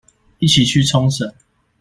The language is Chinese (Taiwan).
一起去沖繩